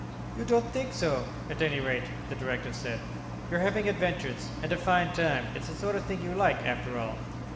"You don't think so, at any rate," the director said. "You're having adventures and a fine time. It's the sort of thing you like, after all."